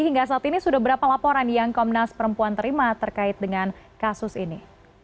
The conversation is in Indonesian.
hingga saat ini sudah berapa laporan yang komnas perempuan terima terkait dengan kasus ini